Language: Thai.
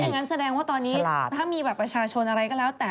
งั้นแสดงว่าตอนนี้ถ้ามีบัตรประชาชนอะไรก็แล้วแต่